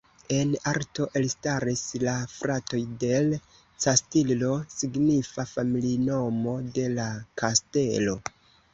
En arto elstaris la fratoj "del Castillo", signifa familinomo "de la Kastelo".